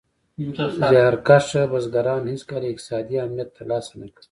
زیار کښه بزګران هېڅکله اقتصادي امنیت تر لاسه نه کړ.